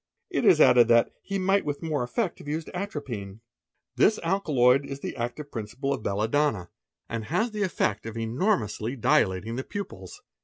It is added that "he might with more effe have used atropine. This alkaloid is the active principle of belladonm SHAMMING DEAFNESS SIT | and has the effect of enormously dilating the pupils.